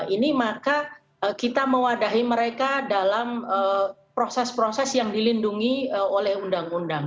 ini maka kita mewadahi mereka dalam proses proses yang dilindungi oleh undang undang